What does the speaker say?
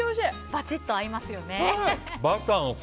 バチッと合いますよね。